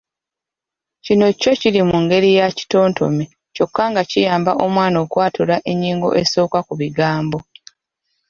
Kino kyo kiri mu ngeri ya kitontome kyokka nga kiyamba omwana okwatula ennyingo esooka ku bigambo.